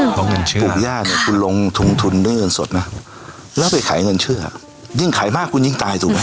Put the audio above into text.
คุณลงเงินเชื่อคุณลงถุงทุนด้วยเงินสดนะเขาไปขายเงินเชื่อยิ่งขายมากคุณยิ่งตายถูกมั้ย